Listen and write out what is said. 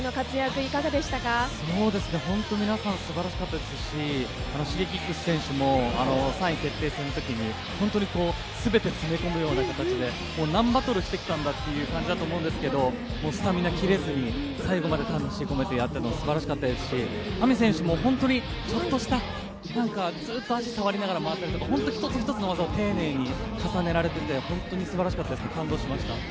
本当に皆さんすばらしかったですし、Ｓｈｉｇｅｋｉｘ選手も３位決定戦のとき全て詰め込むような形で何バトルしてきたんだっていう感じだと思うんですけどスタミナ切れずに最後まで魂込めてやっていたのがすばらしかったですしＡＭＩ選手も本当にちょっとしたずっと足触りながら回ったりとか、一つ一つの技を丁寧にされてて本当にすばらしかったですね感動しました。